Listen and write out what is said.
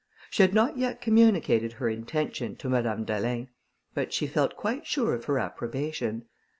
She had not yet communicated her intention to Madame d'Alin, but she felt quite sure of her approbation.